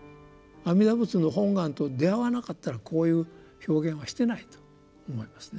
阿弥陀仏の本願と出遭わなかったらこういう表現はしてないと思いますね。